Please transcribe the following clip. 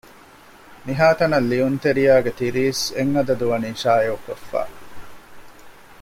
މިހާތަނަށް ލިޔުންތެރިޔާ ގެ ތިރީސް އެއް އަދަދު ވަނީ ޝާއިޢުކޮށްފަ